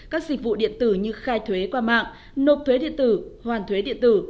các dịch vụ điện tử như khai thuế qua mạng nộp thuế điện tử hoàn thuế điện tử